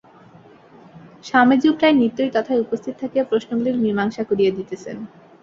স্বামীজীও প্রায় নিত্যই তথায় উপস্থিত থাকিয়া প্রশ্নগুলির মীমাংসা করিয়া দিতেছেন।